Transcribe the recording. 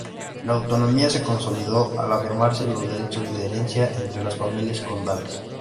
La autonomía se consolidó al afirmarse los derechos de herencia entre las familias condales.